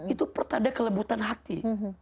itu pertanda kelembutan hati